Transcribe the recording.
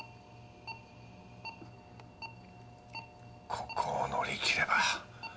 ここを乗り切れば。